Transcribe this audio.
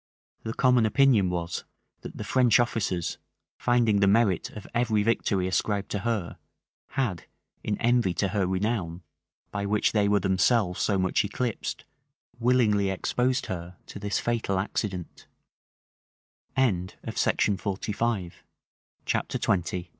[*] The common opinion was, that the French officers, finding the merit of every victory ascribed to her, had, in envy to her renown, by which they were themselves so much eclipsed, willingly exposed her to this fatal accident.